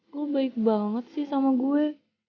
gue baik banget sih sama gue